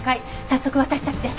早速私たちで。